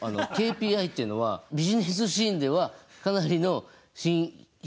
あのＫＰＩっていうのはビジネスシーンではかなりの頻出単語。